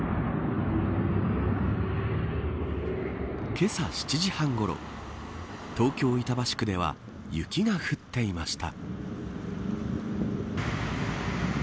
けさ７時半ごろ東京、板橋区では雪が降っていました。